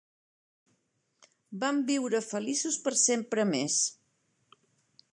Van viure feliços per sempre més.